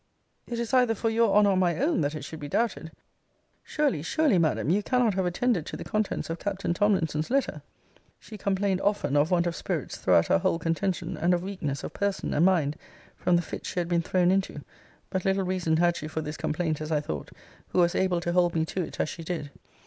It is either for your honour or my own, that it should be doubted? Surely, surely, Madam, you cannot have attended to the contents of Captain Tomlinson's letter. She complained often of want of spirits throughout our whole contention, and of weakness of person and mind, from the fits she had been thrown into: but little reason had she for this complaint, as I thought, who was able to hold me to it, as she did.